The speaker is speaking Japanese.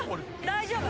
大丈夫？